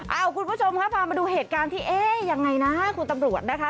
เอ้าคุณผู้ชมครับมาดูเหตุการณ์ที่เอ๊ะอย่างไรนะครับคุณตำรวจนะคะ